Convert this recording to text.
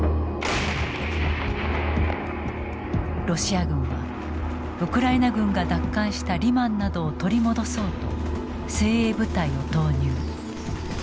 ロシア軍はウクライナ軍が奪還したリマンなどを取り戻そうと精鋭部隊を投入。